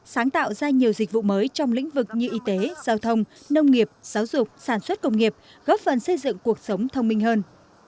sáng tạo ra nhiều dịch vụ mới trong lĩnh vực như y tế giao thông nông nghiệp giáo dục sản xuất công nghiệp góp phần xây dựng cuộc sống thông minh hơn